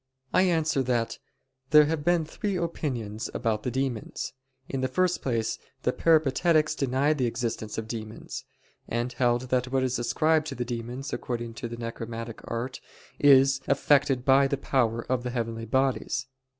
I answer that, There have been three opinions about the demons. In the first place the Peripatetics denied the existence of demons; and held that what is ascribed to the demons, according to the necromantic art, is effected by the power of the heavenly bodies.